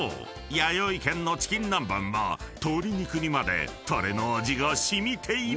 やよい軒のチキン南蛮は鶏肉にまでタレの味が染みている］